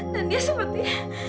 dan dia seperti